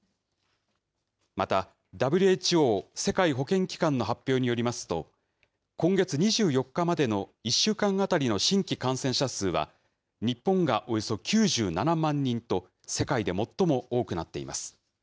また、ＷＨＯ・世界保健機関の発表によりますと、今月２４日までの１週間当たりの新規感染者数は、日本がおよそ９７万人と、世界で最も多くなっています。